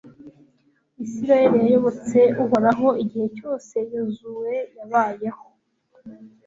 israheli yayobotse uhoraho igihe cyose yozuwe yabayeho